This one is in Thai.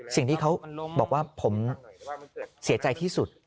สิ่งที่เขาบอกว่าผมเสียใจที่สุด